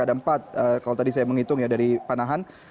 ada empat kalau tadi saya menghitung ya dari panahan